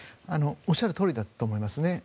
おっしゃるとおりだと思いますね。